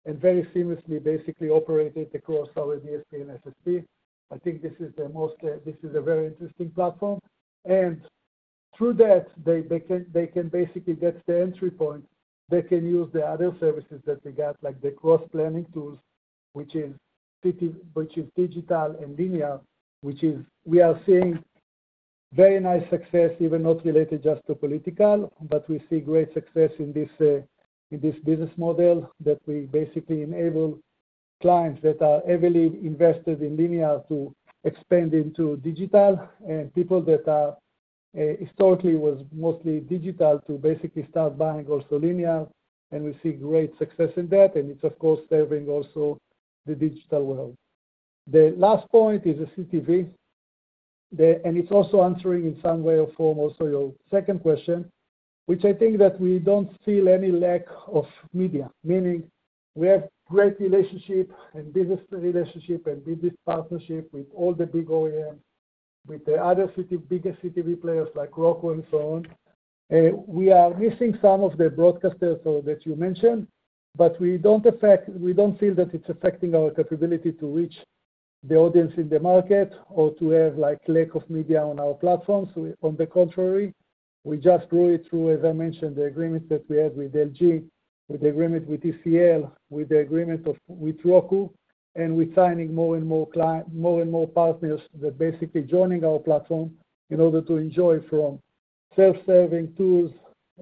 and very seamlessly basically operate it across our DSP and SSP. I think this is the most, this is a very interesting platform, and through that, they can basically get the entry point. They can use the other services that we got, like the cross-planning tools, which is CTV, which is digital and linear, which is we are seeing very nice success, even not related just to political, but we see great success in this, in this business model, that we basically enable clients that are heavily invested in linear to expand into digital. And people that are, historically, was mostly digital, to basically start buying also linear, and we see great success in that, and it's of course, serving also the digital world. The last point is the CTV, the... It's also answering in some way or form, also your second question, which I think that we don't feel any lack of media, meaning we have great relationship and business relationship, and business partnership with all the big OEM, with the other CTV, biggest CTV players like Roku and so on. We are missing some of the broadcasters that you mentioned, but we don't feel that it's affecting our capability to reach the audience in the market or to have, like, lack of media on our platform. So on the contrary, we just went through, as I mentioned, the agreement that we have with LG, with the agreement with TCL, with the agreement of, with Roku, and we're signing more and more partners that are basically joining our platform in order to enjoy from self-serving tools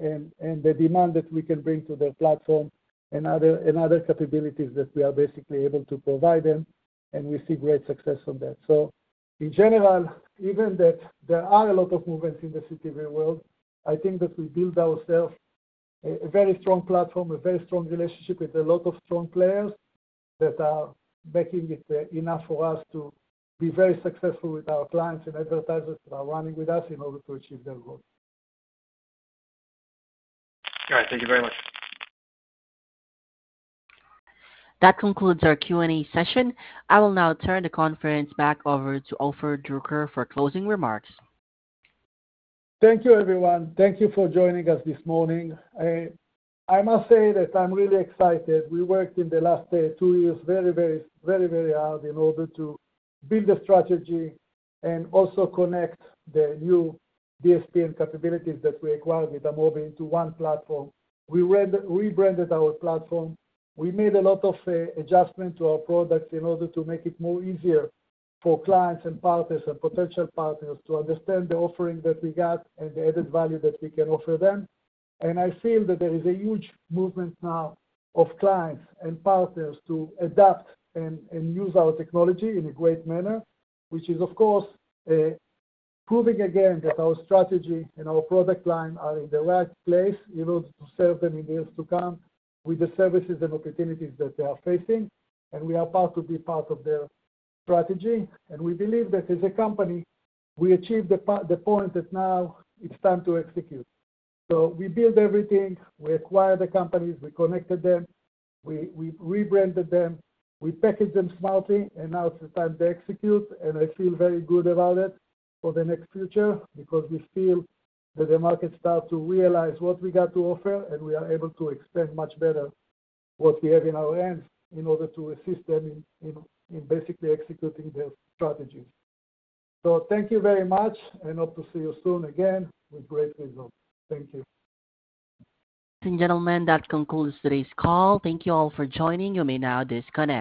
and, and the demand that we can bring to the platform, and other, and other capabilities that we are basically able to provide them, and we see great success on that. So in general, even that there are a lot of movements in the CTV world, I think that we build ourself a, a very strong platform, a very strong relationship with a lot of strong players that are making it enough for us to be very successful with our clients and advertisers that are running with us in order to achieve their goals.
All right. Thank you very much.
That concludes our Q&A session. I will now turn the conference back over to Ofer Druker for closing remarks.
Thank you, everyone. Thank you for joining us this morning. I must say that I'm really excited. We worked in the last two years, very, very, very, very hard in order to build a strategy and also connect the new DSP and capabilities that we acquired with Amobee into one platform. We rebrand, rebranded our platform. We made a lot of adjustment to our products in order to make it more easier for clients and partners and potential partners, to understand the offering that we got and the added value that we can offer them. I feel that there is a huge movement now of clients and partners to adapt and use our technology in a great manner, which is, of course, proving again that our strategy and our product line are in the right place in order to serve them in years to come, with the services and opportunities that they are facing. We are proud to be part of their strategy, and we believe that as a company, we achieved the point that now it's time to execute. We build everything, we acquire the companies, we connected them, we rebranded them, we packaged them smartly, and now it's the time to execute, and I feel very good about it for the next future. Because we feel that the market start to realize what we got to offer, and we are able to explain much better what we have in our hands in order to assist them in basically executing their strategies. So thank you very much, and hope to see you soon again with great results. Thank you.
Thank you, gentlemen, that concludes today's call. Thank you all for joining. You may now disconnect.